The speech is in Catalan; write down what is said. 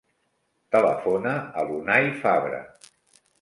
Telefona a l'Unay Fabra.